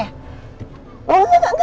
enggak enggak enggak